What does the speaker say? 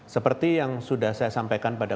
seperti yang sudah saya sampaikan pada